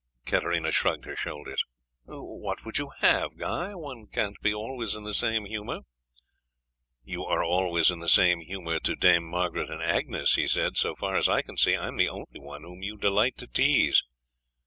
Katarina shrugged her shoulders. "What would you have, Guy? One can't be always in the same humour." "You are always in the same humour to Dame Margaret and Agnes," he said; "so far as I can see I am the only one whom you delight to tease."